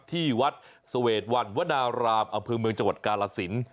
ที่วัดเสวดวันวนารามอำเภอเมืองจังหวัดกาลสิน